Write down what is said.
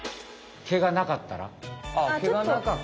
毛がなかったら？